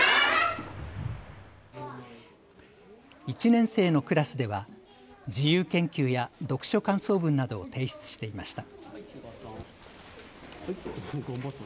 １年生のクラスでは自由研究や読書感想文などを提出していました。